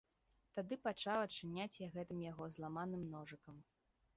Тады пачаў адчыняць я гэтым яго зламаным ножыкам.